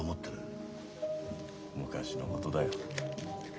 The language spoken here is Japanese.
昔のことだよ。